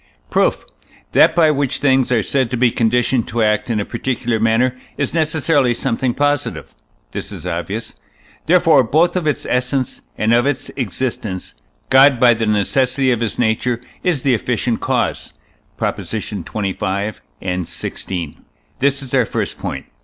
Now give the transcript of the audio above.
Proof. That by which things are said to be conditioned to act in a particular manner is necessarily something positive (this is obvious); therefore both of its essence and of its existence God by the necessity of his nature is the efficient cause (Props. xxv. and xvi.); this is our first point.